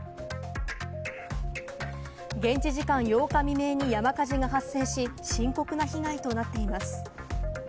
現地時間８日未明に山火事が発生し、深刻な被害となっています。